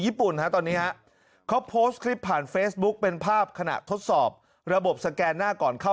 ตอนนี้ฮะเขาโพสต์คลิปผ่านเฟซบุ๊คเป็นภาพขณะทดสอบระบบสแกนหน้าก่อนเข้า